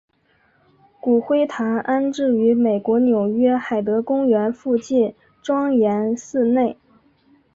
骨灰坛安置于美国纽约海德公园附近庄严寺内。